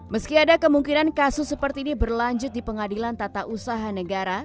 meski ada kemungkinan kasus seperti ini berlanjut di pengadilan tata usaha negara